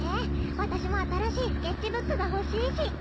わたしもあたらしいスケッチブックがほしいし。